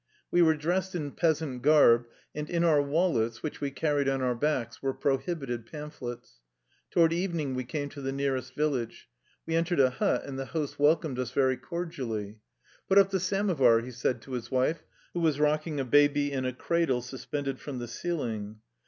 We were dressed in peasant garb, and in our wallets, which we carried on our backs, were prohibited pamphlets. Toward evening we came to the nearest village. We entered a hut, and the host welcomed us very cordially. "Put up the samovar," he said to his wife, who was rocking a baby in a cradle suspended from the ceiling.